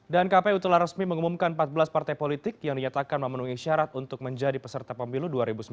dan kpu telah resmi mengumumkan empat belas partai politik yang dinyatakan memenuhi syarat untuk menjadi peserta pemilu dua ribu sembilan belas